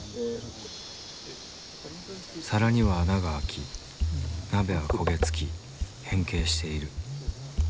皿には穴が開き鍋は焦げ付き変形している。